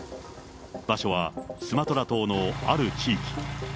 場所はスマトラ島のある地域。